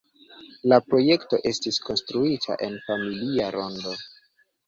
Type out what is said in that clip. La projekto estis konstruita en familia rondo.